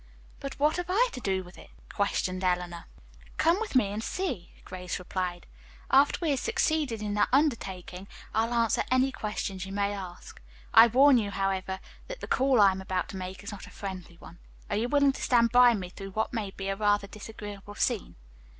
"But what have I to do with it!" questioned Eleanor. "Come with me and see," Grace replied. "After we have succeeded in our undertaking, I'll answer any questions you may ask. I warn you, however, that the call I am about to make is not a friendly one. Are you willing to stand by me through what may be a rather disagreeable scene?"